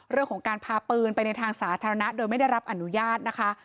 เรื่องของการพาปืนไปในทางสาธารณะโดยไม่ได้รับอนุญาตนะคะ